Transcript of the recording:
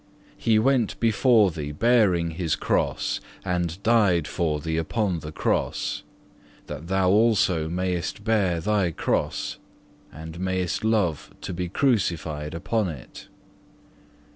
He went before thee bearing His Cross and died for thee upon the Cross, that thou also mayest bear thy cross and mayest love to be crucified upon it.